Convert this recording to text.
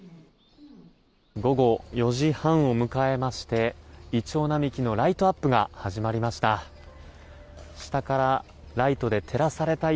午後４時半を迎えましてイチョウ並木のライトアップが始まりました。